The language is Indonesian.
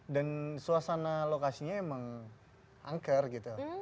dan suasana lokasinya emang angker gitu